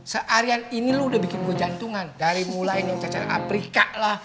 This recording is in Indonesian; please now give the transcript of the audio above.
searian ini lo udah bikin gue jantungan dari mulai nyuruh cacaran afrika lah